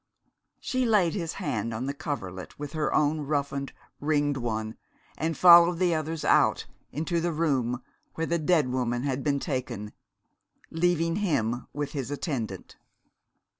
She laid his hand on the coverlet with her own roughened, ringed one, and followed the others out, into the room where the dead woman had been taken, leaving him with his attendant.